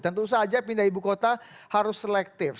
tentu saja pindah ibu kota harus selektif